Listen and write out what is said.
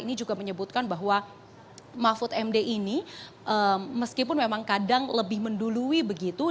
ini juga menyebutkan bahwa mahfud md ini meskipun memang kadang lebih mendului begitu